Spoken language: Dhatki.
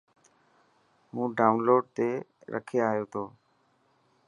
هون ڊائون لوڊ تي رکي آيو تو.